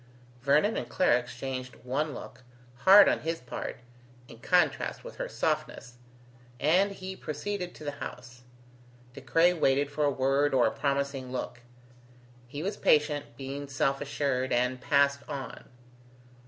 Vernon and Clara exchanged one look, hard on his part, in contrast with her softness, and he proceeded to the house. De Craye waited for a word or a promising look. He was patient, being self assured, and passed on.